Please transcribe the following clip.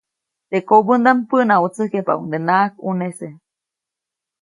Teʼ kobändaʼm päʼnawätsäjkyajpabäʼuŋdenaʼak ʼunese.